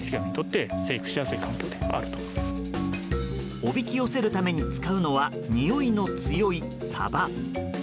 おびき寄せるために使うのはにおいの強いサバ。